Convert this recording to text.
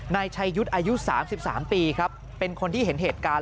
นายชัยยุทธ์อายุ๓๓ปีครับเป็นคนที่เห็นเหตุการณ์